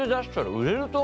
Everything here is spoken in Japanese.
売れるね！